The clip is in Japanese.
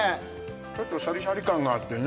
ちょっとシャリシャリ感があってね